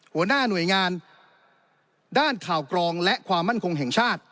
หัวหน้าหน่วยงานด้านข่าวกรองและความมั่นคงแห่งชาติ